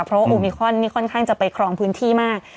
เพราะว่าโอมิคอนนี่ค่อนข้างจะไปครองพื้นที่มาก